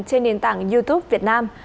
trên nền tảng youtube việt nam